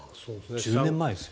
１０年前ですよ。